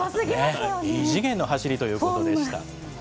異次元の走りということでした。